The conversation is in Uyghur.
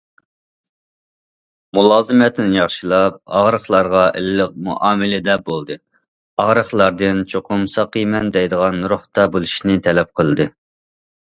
مۇلازىمەتنى ياخشىلاپ، ئاغرىقلارغا ئىللىق مۇئامىلىدە بولدى، ئاغرىقلاردىن چوقۇم ساقىيىمەن دەيدىغان روھتا بولۇشنى تەلەپ قىلدى.